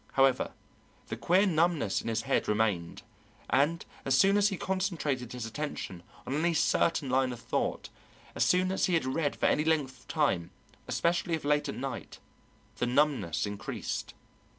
However, the queer numbness in his head remained, and as soon as he concentrated his attention on any certain line of thought, as soon as he had read for any length of time, especially if late at night, the numbness increased.